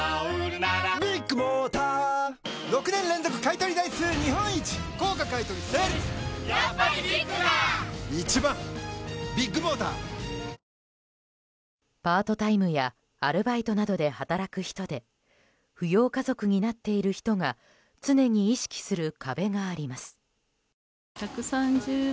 糖質ゼロパートタイムやアルバイトなどで働く人で扶養家族になっている人が常に意識する壁があります。